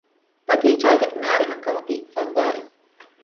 ބަގީޗާގެ ނާރެހަކަށް އޮތީ ފައްވާރެއް